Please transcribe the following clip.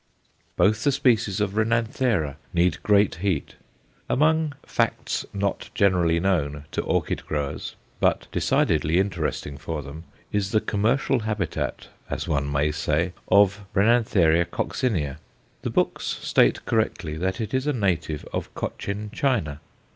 Both the species of Renanthera need great heat. Among "facts not generally known" to orchid growers, but decidedly interesting for them, is the commercial habitat, as one may say, of R. coccinea. The books state correctly that it is a native of Cochin China.